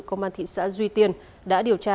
công an thị xã duy tiên đã điều tra